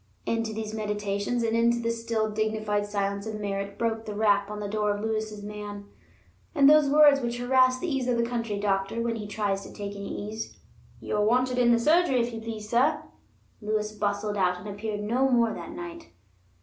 Into these meditations, and into the still dignified silence of Merritt broke the rap on the door of Lewis's man, and those words which harass the ease of the country doctor when he tries to take any ease: "You're wanted in the surgery, if you please, sir." Lewis bustled out, and appeared no more that night.